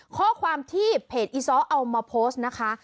ข้อความที่เพจอีซ้อเอามาโพสต์นะคะ